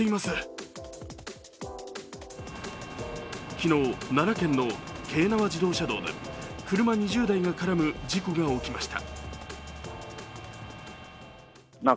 昨日、奈良県の京奈和自動車道で車２０台が絡む事故が起きました。